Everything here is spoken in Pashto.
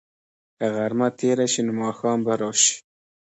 که غرمه تېره شي، نو ماښام به راشي.